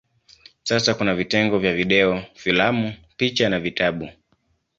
Sasa kuna vitengo vya video, filamu, picha na vitabu.